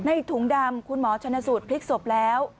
ถุงดำคุณหมอชนสูตรพลิกศพแล้ว